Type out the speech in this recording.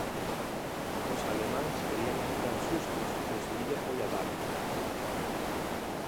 Os alemáns querían evitar sustos e o Sevilla foi a dalos.